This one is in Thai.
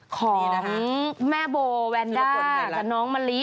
ของแม่โบแวนด้ากับน้องมะลิ